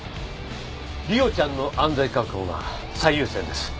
梨央ちゃんの安全確保が最優先です。